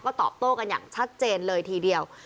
ก็ตอบโต้กันอย่างชัดเจนเลยทีเดียว